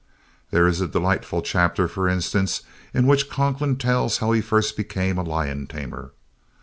There is a delightful chapter, for instance, in which Conklin tells how he first became a lion tamer.